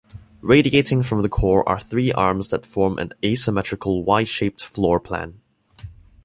Radiating from the core are three arms that form an asymmetrical Y-shaped floor plan.